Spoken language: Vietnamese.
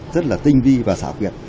rất là tinh vi và xảo quyệt